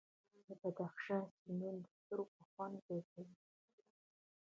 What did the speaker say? د بدخشان سیندونه د سترګو خوند زیاتوي.